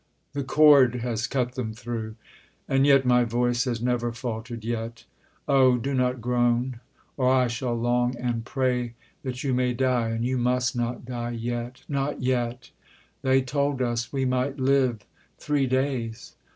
The cord has cut them through; And yet my voice has never faltered yet. Oh! do not groan, or I shall long and pray That you may die: and you must not die yet. Not yet they told us we might live three days